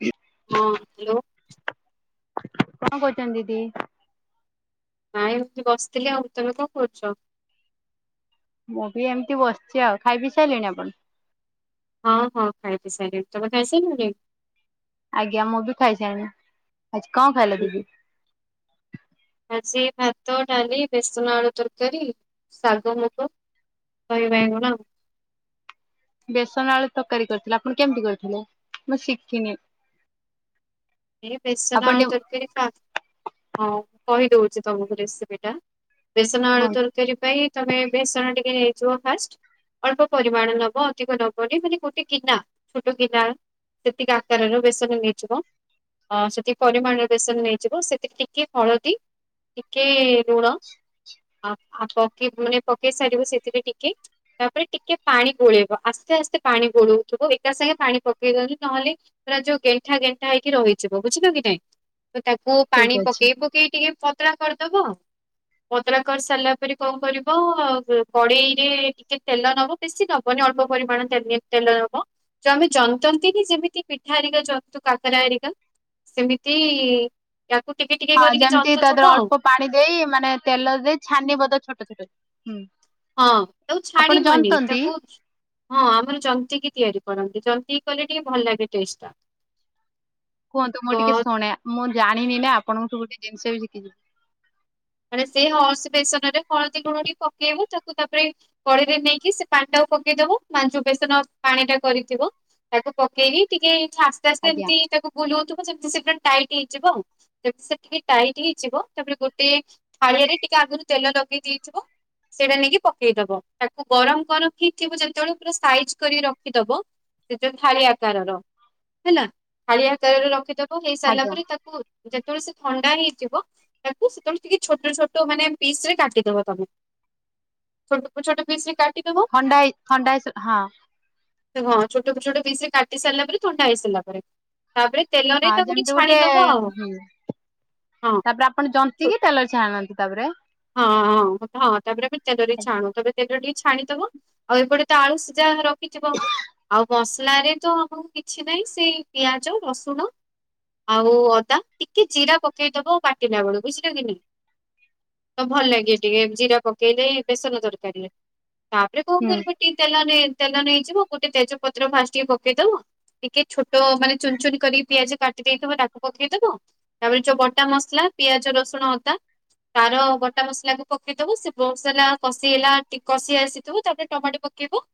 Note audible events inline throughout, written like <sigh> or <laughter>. ଏ ହଁ ହ୍ୟାଲୋ କଣ କରୁଛନ୍ତି ଦିଦି? ନାଇଁ ଏମତି ବସିଥିଲି ଆଉ। ତମେ କଣ କରୁଛ? ମୁଁ ବି ଏମିତି ବସିଛି ଆଉ ଖାଇ ପି ସାରିଲିଣି ଆପଣ? ହଁ ହଁ ଖାଇ ପି ସାଇଲିଣି, ତମେ ଖାଇ ସରିଲାଣି? ଆଜ୍ଞା ମୁଁ ବି ଖାଇସାରଣି, ଆଜି କଣ ଖାଇଲ ହୁଁ ଦିଦି? ଆଜି ଭାତ, ଡାଲି, ବେସନ ଆଳୁ ତରକାରୀ, ସାଗ ମୁଗ। ଦହି ବାଇଗଣ ବେସନ ଆଳୁ ତରକାରୀ କରିଥିଲେ, ଆପଣ କେମିତି କରିଥିଲେ? ମୁଁ ଶିଖିନି। ଏ ବେସନ ଆପଣ ଆଳୁ ଟିକେ ତରକାରୀ ଖା ହଁ କହିଦଉଛି ତମକୁ ରେସିପିଟା। ବେସନ ଆଳୁ କୁହନ୍ତୁ। ତରକାରୀ ପାଇଁ ତମେ ବେସନ ଟିକେ ନେଇଯିବ ଫାଷ୍ଟ ଅଳ୍ପ ପରିମାଣ ନବ ଅଧିକ ଦବନି ମାନେ ଗୋଟେ ଗିନା ଛୋଟ ଗିନା ସେତିକି ଆକାରରୁ ବେସନ ନେଇଯିବ ଅ ସେଠିକି ପରିମାଣରେ ବେସନ ନେଇଯିବ ସେଥିରେ ଟିକେ ହଳଦୀ ଟିକେ ଲୁଣ ଆ ପକେଇ ମାନେ ପକେଇ ସାରିବୁ ସେଥିରେ ଟିକେ ତାପରେ ଟିକେ ପାଣି ଗୋଳେଇବ ଆସ୍ତେ ଆସ୍ତେ ପାଣି ଗୋଳଉଥିବ ଏକା ସାଙ୍ଗେ ପାଣି ପକେଇ ଦିଅନ୍ତୁ ନହେଲେ ପୁରା ଯୋଉ ଗେଣ୍ଟା ଗେଣ୍ଠା ହେଇକି ରହିଯିବ ବୁଝିଲ କି ନାଇଁ ତ ତାକୁ ଠିକ ପାଣି ଅଛି। ପକେଇବ କେହି ଟିକେ ପତଳା କରିଦବ ପଦ୍ର କରି ସାରିଲା ପରେ କଣ କରିବ କଡେଇରେ ଟିକେ ତେଲ ନବ ବେଶି ନବନି ଅଳ୍ପ ପରିମାଣରେ <unintelligible> ହବ। ଆମେ ଜନ୍ତନ୍ତି କି ଯେମିତି ପିଠା ଆରିକା ଜନ୍ତୁ। କାକରା ଆରିକା ସେମିତି ୟାକୁ ଟିକେ ଟିକେ ହଁ କରିକି ଯେମିତି ଜନ୍ତୁ ତା ଦେହରେ ଥିବ ଆଉ। ଅଳ୍ପ ପାଣି ଦେଇ ମାନେ ତେଲ ଦେଇ ଛାନି ବଦ ଛୋଟ ଛୋଟ ହୁଁ ହଁ ତାକୁ ଆପଣ ଛାଡ଼ିବନି ଜନ୍ତନ୍ତି? ତାକୁ ହଁ ଆମର ଜନ୍ତିକି ତିଆରି କରନ୍ତି, ଜନ୍ତିକି ତିଆରି କଲେ ଟିକେ ଭଲଲାଗେ ଟେଷ୍ଟ ଟା। କୁହନ୍ତୁ ମୁଁ ତ ଟିକେ ଶୁଣେ ମୁଁ ଜାଣିନି ନା ଆପଣଙ୍କଠୁ ଗୋଟେ ଜିନିଷ ବି ଶିଖିଯିବି। ମାନେ ସେଇ ହଳସ ବେସନ ରେ ହଳଦୀ ଗୁଣ ଟିକେ ପକେଇବୁ ତାକୁ ତାପରେ କଳିରେ ନେଇକି ସେ ପାଣିଟାକୁ ପକେଇଦବୁ <unintelligible> ବେସନ ପାଣିଟା କରିଥିବ ତାକୁ ପକେଇକି ଟିକେ ଆସ୍ତେ ଆସ୍ତେ ଆଜ୍ଞା ଏମିତି ତାକୁ ବୁଲଉଥିବୁ ଯଦି ସେକେଣ୍ଡ ଟାଇଟ ହେଇଯିବ <unintelligible> ଟାଇଟ ହେଇଯିବ ତାପରେ ଗୋଟେ ପାଣିରେ ଟିକେ ଆଗରୁ ତେଲ ଲଗେଇ ଦେଇଯିବ ସେଇଟା ନେଇକି ପକେଇଦବ ତାକୁ ଗରମ କରଖଥିବ ଯେତେବେଳେ ପୁରା ସାଇଜ କରିକି ରଖିଦବ ସେ ଯେ ଥାଳି ଆକାରର ହେଲା ଥାଳି ଆକାରରେ ରଖିଚ। ହେଇ ସାରିଲା ଆଜ୍ଞା। ପରେ ତାକୁ ଯେତେବେଳେ ସେ ଥଣ୍ଡା ହେଇଯିବ ତାକୁ ସେତେବେଳେ ଟିକେ ଛୋଟ ଛୋଟ ମାନେ ପିସରେ କାଟିଦବ ତମେ ଛୋଟ ଛୋଟ ପିସରେ କାଟିଦବ। ଥଣ୍ଡାାଇ ଥଣ୍ଡାା ହେ ହଁ। ହଁ ଛୋଟ ଛୋଟ ପିସରେ କାଟି ସାରିଲା ପରେ ଥଣ୍ଡା ହେଇ ସାରିଲା ପରେ ତାପରେ ତେଲ ଦେଇ ହଁ ତାକୁ ଯେମିତି ଟିକେ ଗୋଟେ ଛାଣିଦବ ଆଉ ହୁଁ। ହଁ। ତାପରେ ଆପଣ ଜମ୍ପ ଛୋ- ଟିକିଏ ତେଲ ଛାଣନ୍ତି ତାପରେ ହଁ ହଁ ତାପରେ ଏବେ ତେଲରେ ଛାଣୁ ଥେବେ ତେଲ ଟିକେ ଛାଣିଦବ। ଆଉ ଏପଟେ ତ ଆଳୁ ସିଝା ରଖିଥିବ ଆଉ ମସଲାରେ ତ ଆ କିଛି ନାହିଁ ସେଇ ପିଆଜ ରସୁଣ ଆଉ ଅଦା ଟିକେ ଜିରା ପକେଇଦବ ଆଉ ବାଟିଲା ବେଳୁ ବୁଝିଲ କି ନାଇଁ। ତ ଭଲ ଲାଗେ ଟିକେ ଜିରା ପକେଇଲେ ବେସନ ତରକାରୀରେ ତାପରେ କଣ ହୁଁ କରିବ ତେଲରେ ତେଲ ନେଇଯିବୁ ଗୋଟେ ତେଜପତ୍ର ଫାଷ୍ଟ ଟିକେ ପକେଇଦବୁ। ଟିକେ ଛୋଟ ମାନେ ଚୁନ ଚୁନ କରି ପିଆଜ କାଟି ଦେଇଥିବ ତାକୁ ପକେଇଦବ ତାପରେ ଯୋଉ ବଟା ମସଲା ପିଆଜ ରସୁଣ ଅଦା ତାର ବଟା ମସଲାକୁ ପକେଇଦବୁ ସେ ମସଲା କଷି ହେଲା କଷି ଆସିଥିବ ତାପରେ ଟମାଟୋ ପକେଇବୁ।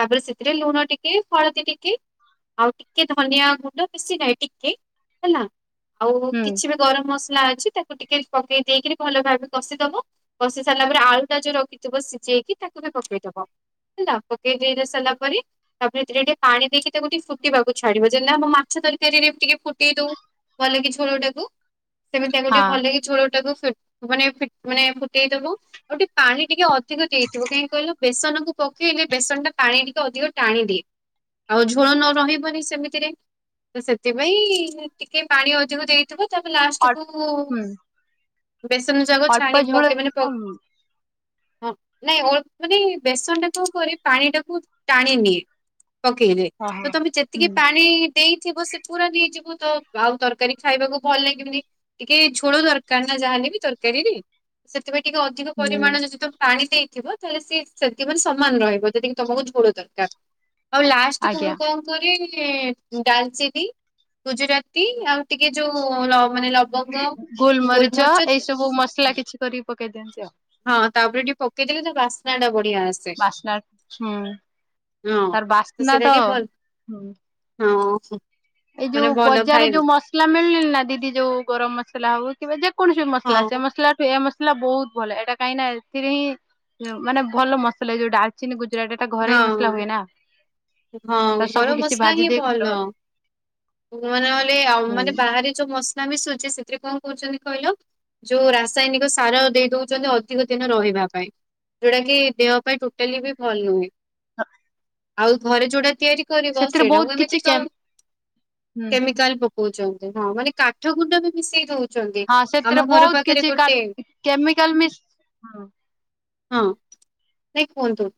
ତାପରେ ସେଥିରେ ଲୁଣ ଟିକେ ହଳଦୀ ଟିକେ ଆଉ ଟିକେ ଧନିଆ ଗୁଣ୍ଡ ବେଶି ନାହିଁ ଟିକେ ହେଲା। ଆଉ ହୁଁ କିଛି ବି ଗରମ ମସଲା ଅଛି ତାକୁ ଟିକେ ପକେଇ ଦେଇକରି ଭଲ ଭା କଷିଦବ କଷି ସାରିଲା ପରେ ଆଳୁ ଟା ଯୋଉ ରଖିଥିବ ସିଝେଇକି ତାକୁ ବି ପକେଇଦବ। ହେଲା ପକେଇ ଦେଇେଇ ସାରିଲା ପରେ ତାପରେ ଥିରେ ଥିରେ ଟିକେ ପାଣି ଦେଇକି ତାକୁ ଫୁଟିବାକୁ ଛାଡିବ ଯେନ ହେବ ମାଛ ତରକାରୀରେ ଟିକେ ଫୁଟେଇ ଦଉ ଭଲ କି ଝୋଳଟାକୁ ସେମିତି ତାକୁ ହଁ। ଟିକେ ଭଲ କି ଝୋଳଟାକୁ ମାନେ ମାନେ ଫୁଟେଇ ଦବୁ। ଆଉ ଟିକେ ପାଣି ଟିକେ ଅଧିକ ଦେଇଥିବ କାହିଁକି କହିଲୁ ବେସନକୁ ପକେଇଲେ ବେସନଟା ପାଣି ଟିକେ ଅଧିକ ଟାଣି ଦିଏ। ଆଉ ଝୋଳ ନ ରହିବନି ସେମିତିରେ ତ ସେଥିପାଇଁ ଟିକେ ପାଣି ଅଧିକ ଦେଇ ତାକୁ ଅ ଲାଷ୍ଟକୁ ହୁଁ ବେସନ ଯାକ ଅଳ୍ପ ଛାଣି ଝୋଳ ପକେଇବୁ ଏତେ ମାନ କମ୍ ହଁ ନାଇଁ ଅଳ ମାନେ ବେସନ ଟାକୁ କରି ପାଣି ଟାକୁ ଟାଣି ନିଏ। ପକେଇଲେ ଓହୋ ତ ତମେ ଯେତିକି ହୁଁ ପାଣି ଦେଇଥିବ ସେ ପୁରା ନେଇଯିବୁ ତ ଆଉ ତରକାରୀ ଖାଇବାକୁ ଭଲ ଲାଗିବନି ଟିକେ ଝୋଳ ଦରକାର ନା ଯାହାେଲେ ବି ତରକାରୀରେ ସେଥିପାଇଁ ଟିକେ ଅଧିକ ହୁଁ ପରିମାଣରେ ଯ ପାଣି ଦେଇଥିବ ତାହେଲେ ସି ସେଥିମାନେ ସମାନ ରହିବ ଯଦି କି ତମକୁ ଝୋଳ ଦରକାର। ଆଉ ଲାଷ୍ଟ କୁ ଆଜ୍ଞା ମୁଁ କଣ? ଡାଲଚିନି ଗୁଜୁରାତି ଆଉ ଟିକେ ଯୋଉ ଲ ମାନେ ଲ ଗୋଲମରିଚ ଏଇ ସବୁ ମସଲା କିଛି କରିକି ପକେଇ ଦିଅନ୍ତି ଆଉ ହଁ ତାପରେ ଟିକେ ପକେଇଦେଲେ ତା ବାସ୍ନାଟା ବଢିଆ ଆସେ ବାସ୍ନା ହୁଁ ହଁ। ତାର ବାସ୍ନା ସେଇଟା ତ ଟିକେ ଭଲ ହୁଁ। <unintelligible> ଏଇ ମାନେ ଯୋଉ ଭଲ ବଜାରରେ ଖାଇବୁ ଯୋଉ ମସ ମସଲା ମିଳିଲନି ନା ଦିଦି ଯୋଉ ଗରମ ମସଲା ହଉ କିମ୍ବା ଯେକୌଣସି ହଁ ମସଲା ସେ ମସଲା ଠୁ ଏ ମସଲା ବହୁତ ଭଲ ଏଇଟା କାହିଁକ ନା ଏଥିରେ ହିଁ ମାନେ ଭଲ ମସଲା ଯୋଉଟା ଡାଲଚିନି ଗୁଜୁରାଟ ଟା ଘରେ ମସଲା ହଁ। ହୁଏ ନା ହଁ ତ ସବୁ ଘର କିଛି ମସଲା ଭାଜି ହିଁ ଦେଇ ଗୁଣ୍ଡ ଭଲ। ମାନେ ମାନେ ଆଉ ହୁଁ ମାନେ ବାହାରେ ଯୋଉ ମସଲା ମିଶୁଛି ସେଥିରେ କଣ କହୁଛନ୍ତି କହିଲ ଯୋଉ ରାସାୟନିକ ସାର ଦେଇଦଉଚନ୍ତି ଅଧିକ ଦିନ ରହିବା ପାଇଁ। ଯୋଉଟା କି ଦେହ ପାଇଁ ଟୋଟାଲି ବି ଭଲ ନୁହେଁ। ଆଉ ଘରେ ଯୋଉଟା ତିଆରି କରିବ ସେଥିରେ ବହୁତ ସେଇଟାକୁ କିଛି ଏମିତିକ କେମ୍ ହୁଁ କେମିକାଲ ପୋକ କହୁଛନ୍ତି ହଁ ମାନେ କାଠ ଗୁଣ୍ଡ ବି ମିଶେଇ ଦଉ ହଁ ସେଥିରେ ବହୁତ କିଛି କାଠ କେମିକାଲ ମିଶଚି। ହଁ। ହଁ। ନାଇ କୁହନ୍ତୁ।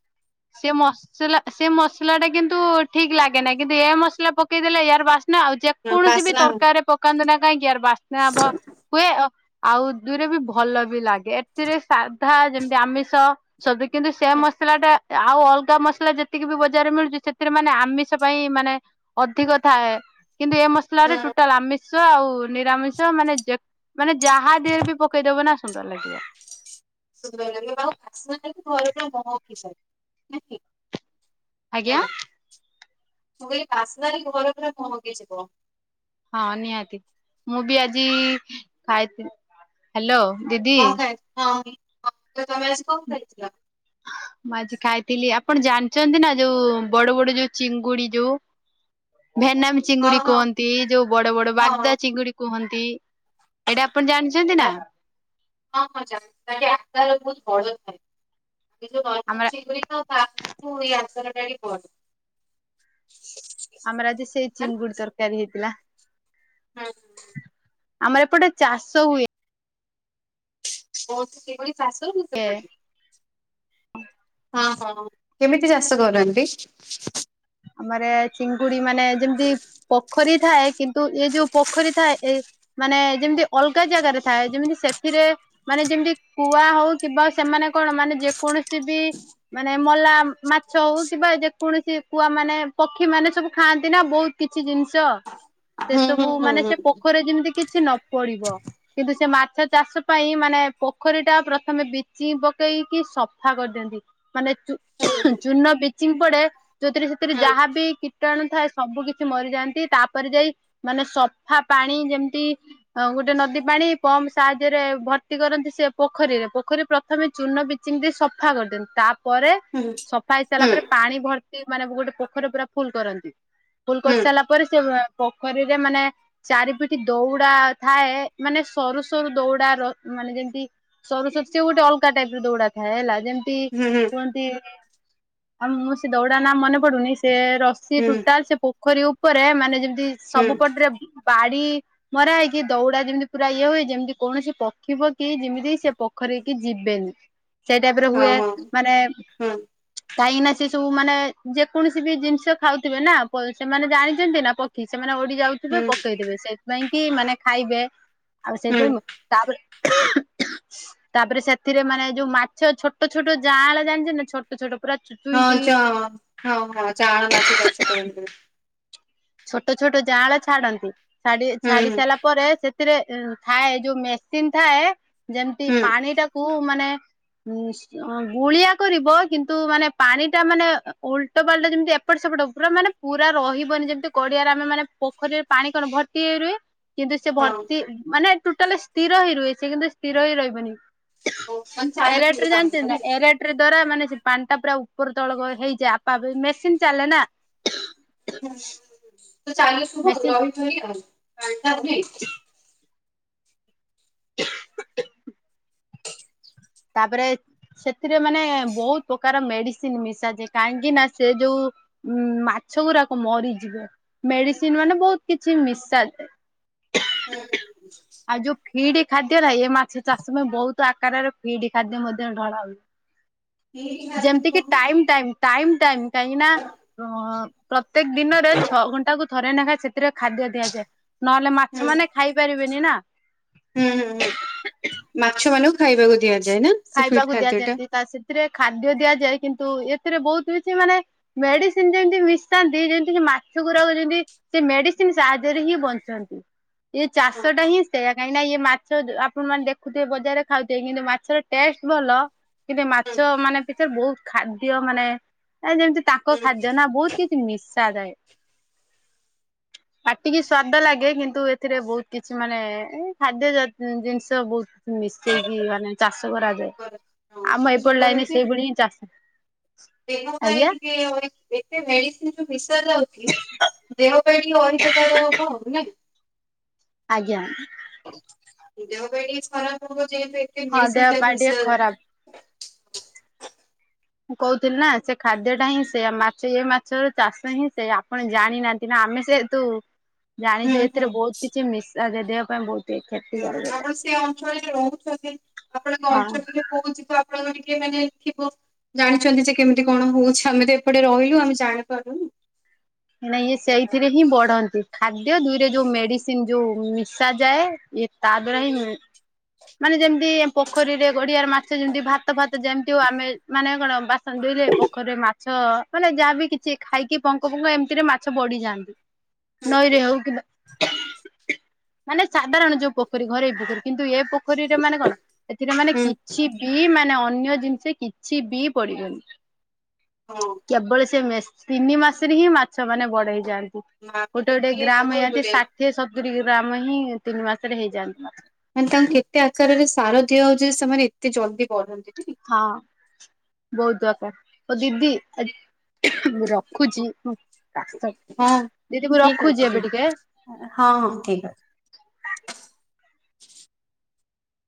ସେ ମସ୍ ସେଲା ସେ ମସଲା ଟା କିନ୍ତୁ ଠିକ ଲାଗେନା। କିନ୍ତୁ ଏ ମସଲା ପକେଇଦେଲେ ୟାର ବାସ୍ନା ଆହୁରି ଯେକୌଣସି ବି ବାସ୍ନା ତରକାରୀରେ ପକାନ୍ତୁ ନା କାହିଁକି ୟାର ବାସ୍ନା ହବା ହୁଏ। ଆ -ଆଉ ଦୁଇରେ ବି ଭଲ ବି ଲାଗେ। ଏଥିରେ ସାଧା ଯେମିତି ଆମିଷ ଷବି କିନ୍ତୁ ସେ ମସଲାଟା ଆଉ ଅଲଗା ମସଲା ଯେତିକି ବି ବଜାରରେ ମିଳୁଛି ସେଥିରେ ମାନେ ଆମିଷ ପାଇଁ ମାନେ ଅଧିକ ଥାଏ। କିନ୍ତୁ ଏ ମସଲାରେ ଟୋଟାଲ ଆମିଷ ଷ ଆଉ ନିରାମିଷ ମାନେ ଯେ ମାନେ ଯାହା ଦେହରେ ବି ପକେଇଦବ ନା ସୁନ୍ଦର ଲାଗିବ। ସୁନ୍ଦର ହେଲେ ହଉ <unintelligible> ହେଲେ ଆଜ୍ଞା ମୁଁ କହିଲି ବାସ୍ନାରେ ଘର ପୁରା ମହକି ଯିବ। ହଁ ନିହାତି। ମୁଁ ବି ଆଜି ଖାଇଥିଲି, ହ୍ୟାଲୋ ଦିଦି। <unintelligible> ହଁ ତ ତମେ ଆଜି କଣ ଖାଇଥିଲ? ମୁଁ ଆଜି ଖାଇଥିଲି, ଆପଣ ଜାଣିଛନ୍ତି ନା ଯୋଉ ବଡ ବଡ ଯୋଉ ଚିଙ୍ଗୁଡି ଯୋଉ ଭେନାମୀ ହଁ ଚିଙ୍ଗୁଡି ହଁ କୁହନ୍ତି। ଯୋଉ ବଡ ବଡ ବାଗଦା ହଁ ଚିଙ୍ଗୁଡି କୁହନ୍ତି। ଏଇଟା ଆପଣ ଜାଣିଚ <unintelligible> ହଁ ହଁ ଯା। କାଲି ଆଠଟା ବେଳକୁ <unintelligible> ଆମର <unintelligible> ଆମର ଆଜି ସେଇ ହଁ ଚିଙ୍ଗୁଡି ତରକାରୀ ହେଇଥିଲା। ହଁ। ଆମର ଏପଟେ ଚାଷ ହୁଏ। <unintelligible> ଚିଙ୍ଗୁଡି ଚାଷ ହୁଏ ସେପଟେ। ହଁ ହଁଉ। କେମିତି ଚାଷ କରନ୍ତି? ଆମର ଏ ଚିଙ୍ଗୁଡି ମାନେ ଯେମିତି ପୋଖରୀ ଥାଏ କିନ୍ତୁ ଇଏ ଯୋଉ ପୋଖରୀ ଥାଏ, ଏ ମାନେ ଯେମିତି ଅଲଗା ଜାଗାରେ ଥାଏ। ଯେମିତି ସେଥିରେ ମାନେ ଯେମିତି କୁଆ ହଉ କିମ୍ବା ସେମାନେ କଣ ମାନେ ଯେକୌଣସି ବି ମାନେ ମଲା ମାଛ ହଉ, କିମ୍ବା ଯେକୌଣସି କୁଆ ମାନେ ପକ୍ଷୀ ମାନେ ସବୁ ଖାଆନ୍ତି ନା ବହୁତ କିଛି ଜିନିଷ। ସେ ହୁଁ ହୁଁ ସବୁ ହୁଁ ମାନେ ସେ ପୋଖରରେ ଯେମିତି କିଛି ନ ପଡିବ। କିନ୍ତୁ ସେ ମାଛ ଚାଷ ପାଇଁ ମାନେ ପୋଖରୀଟା ପ୍ରଥମେ ବିଚିଙ୍ଗ ପକେଇକି ସଫା କରିଦିଅନ୍ତି। ମାନେ ଚୂ ଚୁର୍ଣ୍ଣ ବିଚିଙ୍ଗ ପଡେ ଯୋଉଥିରେ ସେଥିରେ ହୁଁ। ଯାହା ବିି କୀଟାଣୁ ଥାଏ ସବୁ କିଛି ମରିଯାଆନ୍ତି। ତାପରେ ଯାଇ ମାନେ ସଫା ପାଣି ଯେମିତି ହଁ ଗୋଟେ ନଦୀ ପାଣି ପମ୍ପ ସାହାଯ୍ୟରେ ଭର୍ତ୍ତି କରନ୍ତି ସେ ପୋଖରୀରେ। ପୋଖରୀ ପ୍ର ପ୍ରଥମେ ଚୁର୍ଣ୍ଣ, ବିଚିଙ୍ଗ ଦେଇ ସଫା କରିଦିଅନ୍ତି। ତାପ ପରେ ହୁଁ ସଫା ହେଇ ହେଇସାରିଲା ହୁଁ ପରେ ପାଣି ଭର୍ତ୍ତି ମାନେ ଗୋଟେ ପୋଖରୀ ରେ ପୁରା ଫୁଲ କରନ୍ତି। ଫୁଲ ହୁଁ ହୁଁ କରିସାରିଲା ପରେ, ସେ ପୋଖରୀରେ ମାନେ ଚାରିପିଠ ଦୌଡା ଥାଏ ମାନେ ସରୁ ସରୁ ଦଉଡା ର ମାନେ ଯେମତି ସରୁ ସରୁ ସେ ଗୋ ଟେ ଅଲଗ ଟାଇପ ର ଦୌଡା ଥାଏ ହେଲା ଯେମିତି ହୁଁ ହୁଁ କୁହନ୍ତି ଆ ମୁଁ ସେ ଦୌଡା ନା ମନେ ପଡୁନି ସେ ରଷି ସେ ହୁଁ ଟୋଟାଲ ସେ ପୋଖରୀ ଉପରେ ମାନେ ଯେମିତି ହୁଁ ସବୁ ପଟରେ ବାଡି ମରା ହେଇକି ଦୌଡା ଯେମିତି ପୁରା ଇଏ ହୁଏ ଯେମିତି କୌଣସି ପକ୍ଷୀ ପକ୍ଷୀ ଯେମିତି ସେ ପୋଖରୀକି ଯିବେନି ସେଇ ଟାଇପର ହଁ ହୁଏ ହଁ ମାନେ ହୁଁ କାହିଁକି ନା ସେ ସବୁ ମାନେ ଯେକୌଣସି ବି ଜିନିଷ ଖାଉଥିବେ ନା ସେମାନେ ଜାଣିଛନ୍ତି ନା ପାଖି କି ସେମାନେ ଓଡି ଯାଉଥିବେ ହୁଁ ପକେଇଥିବେ ସେଥିପାଇଁ କି ମାନେ ଖାଇବେ ଆଉ ହୁଁ ସେଇଥିପାଇଁ ତାପରେ ତାପରେ ସେଥିରେ ମାନେ ଯୋଉ ମାଛ ଛୋଟ ଛୋଟ ଯାଁଳ ଜାଣିଚ ନାଁ ଛୋଟ ଛୋଟ ପୁରା ଚୁ ହଁ ଚଁ ହଁ ହଁ ଚାଁଳ ମାଛ ଚାଷ କରନ୍ତି। ଛୋଟ ଛୋଟ ଯାଆଁଳ ଛାଡନ୍ତି ଛାଡି ହୁଁ ଛାଡି ହୁଁ ସାଇଲା ପରେ ସେଥିରେ ଏଁ ଥାଏ ଯୋଉ ମେସିନ୍ ଥାଏ ଯେମ୍ତି ହୁଁ ହଁ ପାଣିଟା କୁ ମାନେ ଉଁ ସୁ ଅଁ ଗୁଳିଆ କରିବ କିନ୍ତୁ ମାନେ ପାଣିଟା ମାନେ ଓଲ୍ଟ ପାଲ୍ଟା ଯେମିତି ଏପଟ ସେପଟ ପୁରା ମାନେ ପୁରା ରହିବନି ଯେମତି କଡିଆରେ ଆମେ ମାନେ ପୋଖରୀରେ ପାଣି କଣ ଭର୍ତ୍ତି ହେଇ ରୁହ କିନ୍ତୁ ସେ ହଉ ଭର୍ତ୍ତି ମାନେ ଟୁଟାଲେ ସ୍ ସ୍ଥିର ହେଇ ରୁହେ ସିଏ କିନ୍ତୁ ସ୍ଥିର ହେଇ ରହିବନି। ମାନେ ଏରେଟ୍ ଚାଲୁଥିବ ରେ ଜାଣିଚନ୍ତି ପାଣିରେ ନାଁ ନାଇଁ ଏରେଟ୍ ଏଟିରି ଦ୍ୱାରା ମାନେ ସେ ପାଣିଟା ପୁରା ଉପର ତଳ ଗଏ ହେଇଯା ଆପା ଵେଇ ମେସିନ୍ ଚାଲେ ନାଁ। ତୁ ଚାଲୁ ଶୁବୁ ଆଉ ମେସିନ ରହିଚୁନି ଆଉ <unintelligible> <inaudible> ତାପରେ ସେଥିରେ ମାନେ ବହୁତ ପକାର ମେଡିସିନ୍ ମିଶାଯାଏ କାହିଁକି ନାଁ ସେ ଯୋଉ ଉଁ ମାଛ ଗୁରାକ ମରିଯିବେ ମେଡିସିନ୍ ମାନେ ବହୁତ୍ କିଛି ମିଶାଯାଏ। ଆଉ ଯୋଉ ଫିଡି ଖାଦ୍ୟ ନାଇଁ ଏ ମାଛ ଚାଷୁନ ବହୁତ ଆକାରରେ ଫିଡି ଖାଦ୍ୟ ମଧ୍ୟ ଢଳା ହୁଏ। ହୁଁ ହୁଁ ଯେମତିକି ଟାଇମ୍ ଟାଇମ୍ ଟାଇମ୍ ଟାଇମ୍ କାଇଁକି ନାଁ ଅ ପ୍ରତ୍ୟେକ ଦିନରେ ଛଅ ଘଣ୍ଟାକୁ ଥରେ ନେଖା ସେଥିରେ ଖାଦ୍ୟ ଦିଆଯାଏ ନହେଲେ ମାଛ ମାନେ ଖାଇ ପାରିବେନି ନାଁ। ହୁଁ ହୁଁ ହୁଁ ମାଛ ମାନଙ୍କୁ ଖାଇବାକୁ ଦିଆଯାଏ ନାଁ। ଖାଇବାକୁ ଦିଆଯାନ୍ତି ତା ସେଥିରେ ଖାଦ୍ୟ ଦିଆଯାଏ କିନ୍ତୁ ଏଥିରେ ବହୁତ୍ କିଛି ମାନେ ମେଡିସିନ୍ ଯେମତି ମିଶାନ୍ତି ଯେନ୍ତି କି ମାଛ ଗୁରାକ ଯେନ୍ତି ସେ ମେଡିସିନ୍ ସାହାଯ୍ୟରେ ହିଁ ବଞ୍ଚନ୍ତି। ଇଏ ଚାଷଟା ହିଁ ସେୟା କାଇଁ ନାଁ ଇଏ ମାଛ ଯୋ ଆପଣ ମାନେ ଦେଖୁଥିବେ ବଜାରରେ ଖାଉଥିବେ କିନ୍ତୁ ମାଛର ଟେଷ୍ଟ ଭଲ କିବେ ମାଛ ମାନେ ପିଛେରେ ବହୁତ ଖାଦ୍ୟ ମାନେ ଏ ଯେମ୍ତି ତାଙ୍କ ଖାଦ୍ୟ ନାଁ ବହୁତ୍ କିଛି ମିଶାଯାଏ। ପାଟିକି ସ୍ଵାଦ ଲାଗେ କିନ୍ତୁ ଏଥିରେ ବହୁତ କିଛି ମାନେ ଏଇ ଖାଦ୍ୟ ଯତ୍ ଉଁ ଜିନିଷ ବହୁତ୍ ମିଶେଇକି ମାନେ ଚାଷ କରାଯାଏ। ହଁ ଆମ ମାନେ ମୁଁ ଏପଟ କହିବି ଲାଇନିରେ ଯେ ସେଇଭଳି ହିଁ ଚାଷ ଦେହ ପାଇଁ ଆଜ୍ଞା ଟିକେ ଏତେ ମେଡିସିନ୍ ଯୋଉ ମିଶି ଯାଉଛି ଦେହ ପାଇଁ ଟିକେ ଅହିତକର ହବ ଆଉ ନାଇଁ କି? ଆଜ୍ଞା। ଦେହ ପାଇଁ ଟିକେ ଖରାପ ହବ ଯେହେତୁ ଏତେ ହଁ ଦେହ ମେଡିସିନ୍ ପା ସେଥିରେ ଟିକେ ମିଶା ହୋଉଛି। ଖରାପ। ମୁଁ କହୁଥିଲି ନାଁ ସେ ଖାଦ୍ୟଟା ହିଁ ସେଇଆ ମାଛ ଏ ମାଛର ଚାଷ ହିଁ ସେଇଆ ଆପଣ ଜାଣିନାନ୍ ତିନା ଆମେ ସେ ତୁ ଜାଣିଚି ହୁଁ ଏଥିରେ ବହୁତ କିଛି ମିଶା ଦେ ଦେହ ପାଇଁ ବହୁତ୍ ହୁଁ ଆପଣ ସେ ଅଞ୍ଚଳରେ ରହୁଛନ୍ତି ଆପଣଙ୍କ ହଁ ଅଞ୍ଚଳରେ କହୁଛି ତ ଆପଣଙ୍କର ଟିକେ ମାନେ ଥିବ। ଜାଣିଚନ୍ତି ଯେ କେମିତି କଣ ହଉଚି ଆମେ ତ ଏପଟେ ରହିଲୁ ଆମେ ଜାଣିପାରୁନୁ। ନାଇଁ ଇଏ ସେଇଥିରେ ହିଁ ବଢନ୍ତି ଖାଦ୍ୟ ଦୁଇ ରେ ହୁଁ ଯୋଉ ମେଡିସ୍ ସିନ୍ ଯୋଉ ମିଶା ଯାଏ ଇଏ ତା ଦ୍ଵାରା ହୁଁ ହିଁ ମାନେ ଯେମିତି ଏଁ ପୋଖରୀରେ ଗଡିଆରେ ମାଛ ଯେମିତି ଭାତ ଫାତ ଯେମିତି ହଉ ଆମେ ମାନେ କଣ ବାସ୍ ସନ୍ ଦୁଇ ରେ ପୋଖରି ରେ ମାଛ ମାନେ ଯାହାବି କିଛି ଖାଇକି ପଙ୍କ ପୁଙ୍ଗ ଏମିତି ରେ ମାଛ ବଢିଯାଆନ୍ତି। ହୁଁ ନଈରେ ହଉ କି ବା ମାନେ ସାଧାରଣ ଯୋଉ ପୋଖରୀ ଘରେଇ ପୋଖରୀ କିନ୍ତୁ ଏ ପୋଖ୍ ପୋଖରୀରେ ମାନେ କଣ ଏଥିରେ ମାନେ ହୁଁ କିଛି ବି ମାନେ ଅନ୍ୟ ଜିନ୍ଷ କିଛି ବି ପଡିିବନି। ହଁ। କେବଳ ସେ ମେସ୍ ତିନି ମାସେରେ ହିଁ ମାଛ ମାନେ ବଡ ହେଇଯାଆନ୍ତି। ମା ବି ଗୋଟେ ଗୋଟେ ଯେତିକି ଗ୍ରାମ୍ ତାଙ୍କୁ ଏନ୍ତି ଷାଠିଏ ସତୁରୀ ଗ୍ରାମ୍ ହିଁ ତିନି ମାସେରେ ହେଇଯାନ୍ତି। ମାନେ ତାଙ୍କୁ କେତେ ଆକାରରେ ସାର ଦିଆ ହଉଚି ସେମାନେ ଏତେ ଜଲ୍ଦି ବଢନ୍ତି। ହଁ ବହୁତ୍ ଦରକାର ହଉ ଦିଦି ଆ ମୁଁ ର ରଖୁଚି କାଶ ହଁ ଦିଦି ମୁଁ ଠିକ ଅଛି ରଖୁଚି ଠିକ ଏବେ ଟିକେ। ହଁ ହଁ ଠିକ ଅଛି।